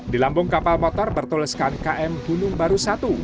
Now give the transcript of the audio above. di lambung kapal motor bertuliskan km gunung baru satu